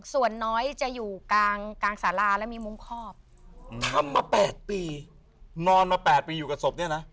ส่วนน้อยจะอยู่กลางสาราแล้วมีมุมคอบทำมา๘ปีนอนมา๘ปีอยู่กับศพเนี่ยนะ